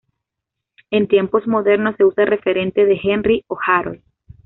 En tiempos modernos se usa referente de Henry o Harold